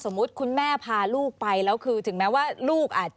คุณแม่พาลูกไปแล้วคือถึงแม้ว่าลูกอาจจะ